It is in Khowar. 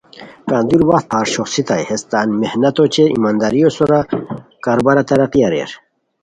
کندُوری وخت پھار شوخڅیتائے ہیس تان محنتو اوچے ایمانداریو سورا کاروبارا ترقی اریر